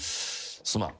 「すまん」